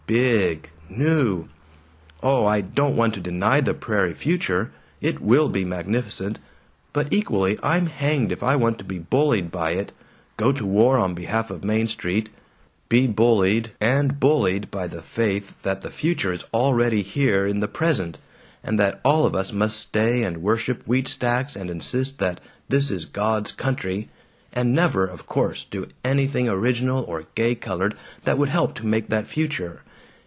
'Big new.' Oh, I don't want to deny the prairie future. It will be magnificent. But equally I'm hanged if I want to be bullied by it, go to war on behalf of Main Street, be bullied and BULLIED by the faith that the future is already here in the present, and that all of us must stay and worship wheat stacks and insist that this is 'God's Country' and never, of course, do anything original or gay colored that would help to make that future!